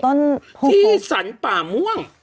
ที่สรรป่าม่วง